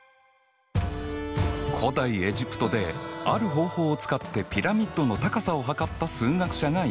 古代エジプトである方法を使ってピラミッドの高さを測った数学者がいた。